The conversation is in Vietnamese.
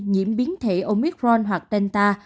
nhiễm biến thể omicron hoặc delta